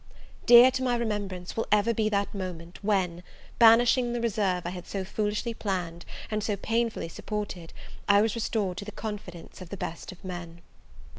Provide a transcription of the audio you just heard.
Dear to my remembrance will ever be that moment when, banishing the reserve I had so foolishly planned, and so painfully supported, I was restored to the confidence of the best of men!